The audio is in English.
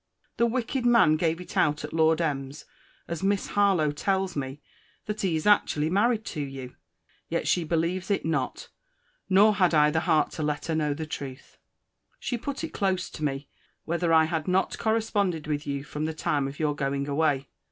The wicked man gives it out at Lord M.'s, as Miss Harlowe tells me, that he is actually married to you—yet she believes it not: nor had I the heart to let her know the truth. She put it close to me, Whether I had not corresponded with you from the time of your going away?